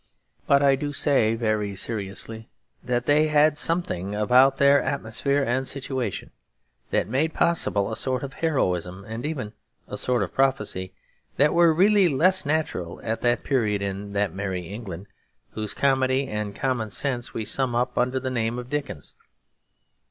But I do say very seriously that they had something about their atmosphere and situation that made possible a sort of heroism and even a sort of prophecy that were really less natural at that period in that Merry England whose comedy and common sense we sum up under the name of Dickens.